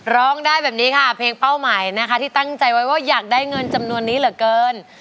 ร้องได้แบบนี้ค่ะเพลงเป้าหมายนะคะที่ตั้งใจไว้ว่าอยากได้เงินจำนวนนี้เหลือเกิน